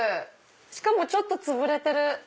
しかもちょっとつぶれてる。